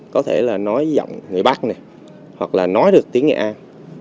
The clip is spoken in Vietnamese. có thể là nói giọng người bắc này hoặc là nói được tiếng nghệ an